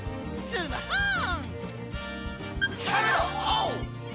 スマホーン！